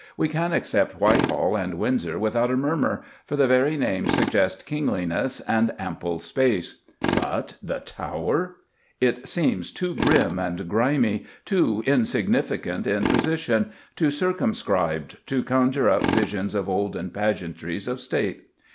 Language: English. We can accept Whitehall and Windsor without a murmur, for the very names suggest kingliness and ample space. But the Tower! It seems too grim and grimy, too insignificant in position, too circumscribed to conjure up visions of olden pageantries of State.